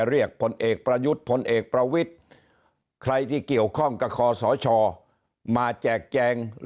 พลเอกประยุทธ์พลเอกประวิทธิ์ใครที่เกี่ยวข้องกับคอสชมาแจกแจง